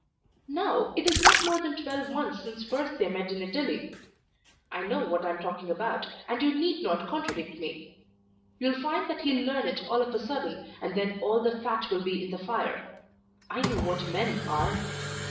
"No, it is not more than twelve months since first they met in Italy. I know what I am talking about, and you need not contradict me. You'll find that he'll learn it of a sudden, and then all the fat will be in the fire. I know what men are."